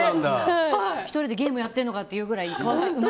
１人でゲームやってるのかってぐらい。